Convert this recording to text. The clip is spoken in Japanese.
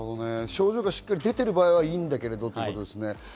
症状が出ている場合はいいんだけどということですね。